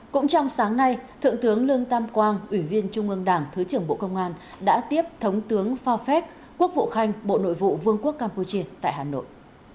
cũng trong sáng nay thượng tướng lương tam quang ủy viên trung ương đảng thứ trưởng bộ công an đã tiếp thống tướng phò phét quốc vụ khanh bộ nội vụ vương quốc campuchia tại hà nội